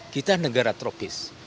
kita negara tropis